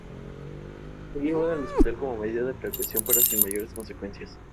Fue llevada al hospital como medida de precaución pero sin mayores consecuencias.